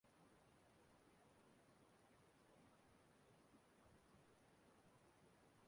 Anyị akwụọla ụgwọ ụlọ ọgwụ ndị nọ n'ụlọ ọgwụ